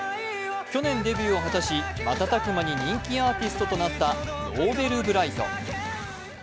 去年デビューを果たし、瞬く間に人気アーティストとなったＮｏｖｅｌｂｒｉｇｈｔ。